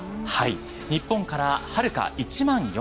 日本からはるか１万４，０００ｋｍ。